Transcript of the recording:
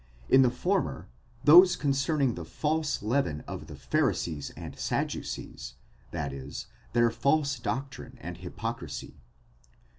in the former, those concerning the false leaven of the Pharisees and Saddu cees, that is, their false doctrine and hypocrisy."